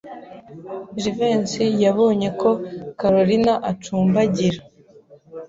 Jivency yabonye ko Kalorina acumbagira.